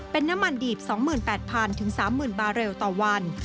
เป็นน้ำมันดีบ๒๘๐๐๐๓๐๐บาทเรลต่อวัน